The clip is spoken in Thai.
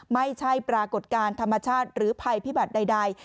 ไม่ใช่ปรากฏการณ์ธรรมชาติหรือภัยพิบัติใด